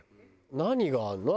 何があるの？